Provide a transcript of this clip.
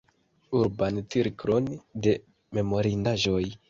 Urban cirklon de memorindaĵoj.